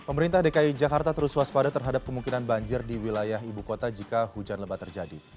pemerintah dki jakarta terus waspada terhadap kemungkinan banjir di wilayah ibu kota jika hujan lebat terjadi